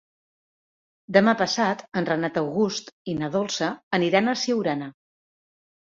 Demà passat en Renat August i na Dolça aniran a Siurana.